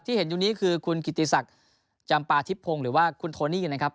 เห็นอยู่นี้คือคุณกิติศักดิ์จำปาทิพพงศ์หรือว่าคุณโทนี่นะครับ